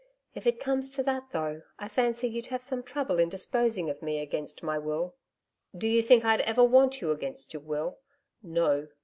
'If it comes to that though, I fancy you'd have some trouble in disposing of me against my will.' 'Do you think I'd ever want you against your will! No.